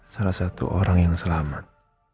salah satu orang yang selamat